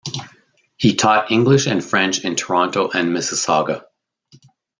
He taught English and French in Toronto and Mississauga.